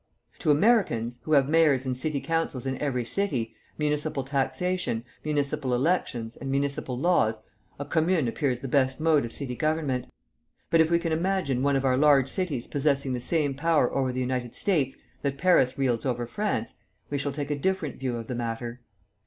To Americans, who have mayors and city councils in every city, municipal taxation, municipal elections, and municipal laws, a commune appears the best mode of city government. But if we can imagine one of our large cities possessing the same power over the United States that Paris wields over France, we shall take a different view of the matter.